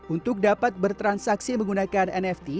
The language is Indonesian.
untuk dapat bertransaksi menggunakan nft